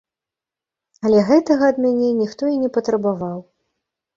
Але гэтага ад мяне ніхто і не патрабаваў.